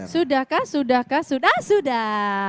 sudahkah sudahkah sudah sudah